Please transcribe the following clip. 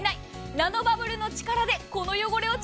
ナノバブルの力でこの汚れ落ち。